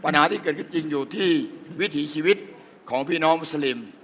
ปัญหาที่เกิดขึ้นจริงอยู่ที่วิถีชีวิตของพี่น้องมุสลิม